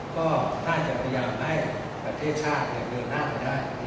ก็น่าจะพยายามให้ประเทศชาติภายธรรมได้